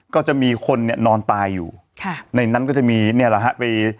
ก็จะมีคนเนี่ยนอนตายอยู่ค่ะในนั้นก็จะมีเนี่ยแหละฮะไป